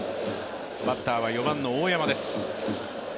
バッターは４番の大山です。